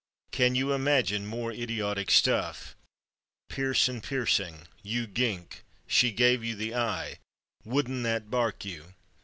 Can you imagine more idiotic stuff—"pierce and piercing," "you gink," "she gave you the eye," "woodn't that bark you?"